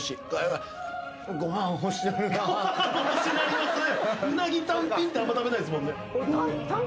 ご飯欲しなりますね。